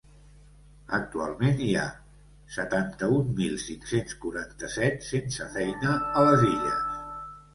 Actualment hi ha setanta-un mil cinc-cents quaranta-set sense feina a les Illes.